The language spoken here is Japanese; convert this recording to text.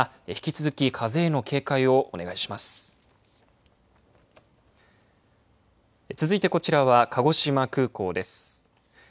続いてこちらは鹿児島空港です。